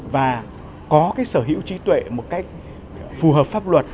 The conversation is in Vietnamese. và có sở hữu trí tuệ một cách phù hợp pháp luật